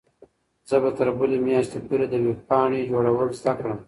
زه به تر بلې میاشتې پورې د ویبپاڼې جوړول زده کړم.